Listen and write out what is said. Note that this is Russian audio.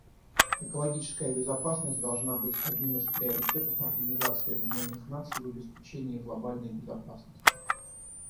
Экологическая безопасность должна быть одним из приоритетов Организации Объединенных Наций в обеспечении глобальной безопасности.